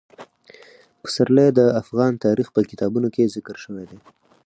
پسرلی د افغان تاریخ په کتابونو کې ذکر شوی دي.